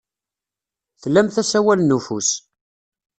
Tlamt asawal n ufus.